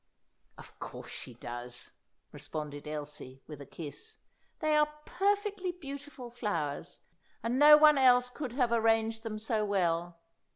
"Of course she does," responded Elsie, with a kiss. "They are perfectly beautiful flowers, and no one else could have arranged them so well.